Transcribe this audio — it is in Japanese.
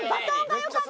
よかった！